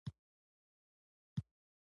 دا کيله وړه ده خو پخه ده